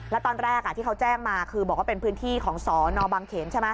แล้วตอนแรกที่เขาแจ้งมาคือบอกว่าเป็นพื้นที่ของสนบังเขนใช่ไหม